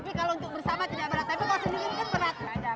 tapi kalau sendiri kan berat